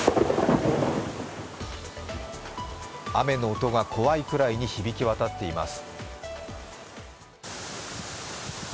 雨の音が怖いくらいに響き渡っています。